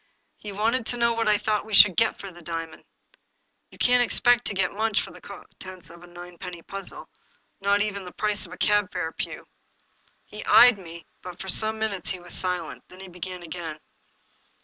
He wanted to know what I thought we should get for the diamond. "You can't expect to get much for the contents of a ninepenny puzzle, not even the price of a cab fare, Pugh." He eyed me, but for some minutes he was silent. Then he began again.